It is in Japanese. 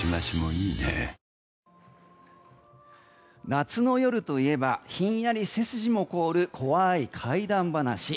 夏の夜といえばひんやり背筋も凍る怖い怪談話。